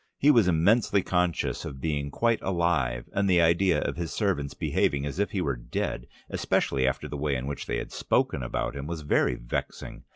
He was immensely conscious of being quite alive, and the idea of his servants behaving as if he were dead, especially after the way in which they had spoken about him, was very vexing.